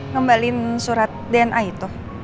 kembalin surat dna itu